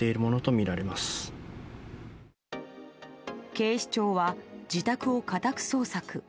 警視庁は自宅を家宅捜索。